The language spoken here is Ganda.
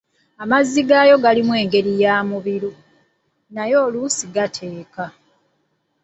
Amazzi gaayo galimu engeri ya mubiru, naye oluusi gateeka.